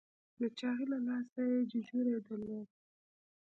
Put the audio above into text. د چاغي له لاسه یې ججوری درلود.